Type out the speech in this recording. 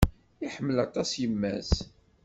Iḥemmel aṭas yemma-s.